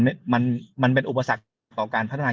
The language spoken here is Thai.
ผมเชื่อว่ามันเป็นอุปสรรคของการพัฒนากีฬา